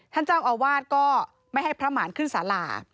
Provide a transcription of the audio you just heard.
ท่านเจ้าอาวาสก็ไม่ให้พระหมานขึ้นสารา